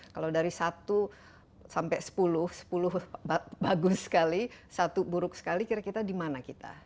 kalau dari satu sampai sepuluh sepuluh bagus sekali satu buruk sekali kira kira di mana kita